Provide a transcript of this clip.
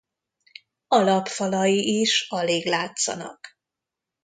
Alapfalai is alig látszanak.